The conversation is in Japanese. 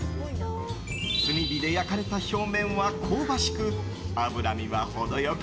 炭火で焼かれた表面は香ばしく脂身は程良く